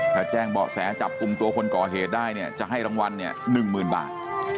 ถ้าแจ้งเบาะแสจับกลุ่มตัวคนก่อเหตุได้เนี่ยจะให้รางวัลเนี่ย๑๐๐๐บาท